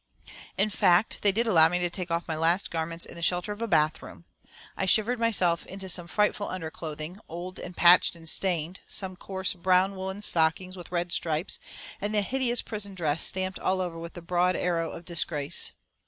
In fact, they did allow me to take off my last garments in the shelter of a bath room. I shivered myself into some frightful underclothing, old and patched and stained, some coarse, brown woollen stockings with red stripes, and the hideous prison dress stamped all over with the broad arrow of disgrace.